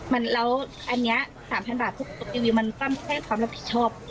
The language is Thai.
มันแล้วอันเนี้ยสามพันบาทลบดีวิวมันตั้งให้ความรับผิดชอบ